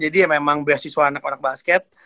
jadi emang beasiswa anak anak basket